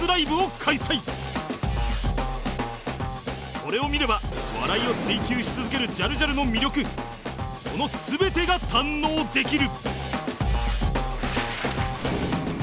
これを見れば笑いを追求し続けるジャルジャルの魅力その全てが堪能できる！